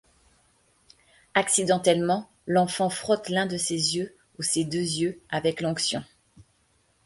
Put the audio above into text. Accidentellement, l'enfant frotte l'un de ses yeux, ou ses deux yeux avec l'onction.